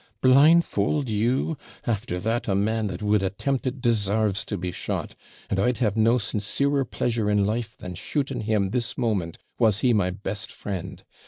Blindfold you! after that, the man that would attempt it DESARVES to be shot; and I'd have no sincerer pleasure in life than shooting him this moment, was he my best friend.